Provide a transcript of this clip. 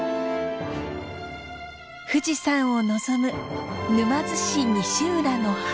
富士山を望む沼津市西浦の浜。